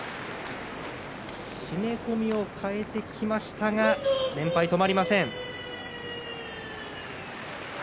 締め込みを替えてきましたが連敗、止まりません。